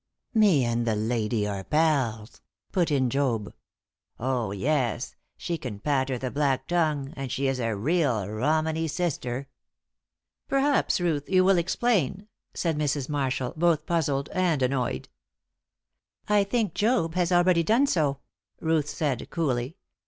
"Me and the lady are pals," put in Job. "Oh, yes; she can patter the black tongue, and she is a real Romany sister." "Perhaps, Ruth, you will explain," said Mrs. Marshall, both puzzled and annoyed. "I think Job has already done so," Ruth said, coolly.